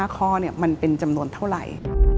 ๕ข้อมันเป็นจำนวนเท่าไหร่